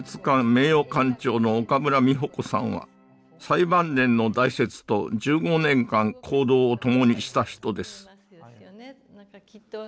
名誉館長の岡村美穂子さんは最晩年の大拙と１５年間行動を共にした人です